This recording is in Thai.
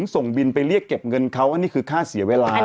ส่งบินไปเรียกเก็บเงินเขาอันนี้คือค่าเสียเวลา